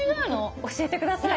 教えて下さい。